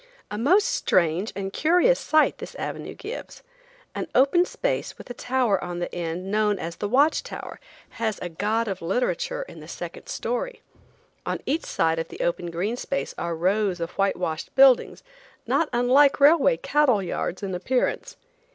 A most strange and curious sight this avenue gives. An open space with a tower on the end known as the watch tower, has a god of literature in the second story. On each side of the open green space are rows of whitewashed buildings, not unlike railway cattle yards in appearance.